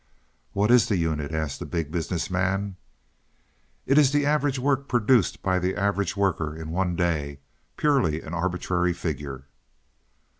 "What is the unit?" asked the Big Business Man. "It is the average work produced by the average worker in one day purely an arbitrary figure."